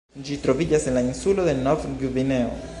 Ĝi troviĝas en la insulo de Novgvineo.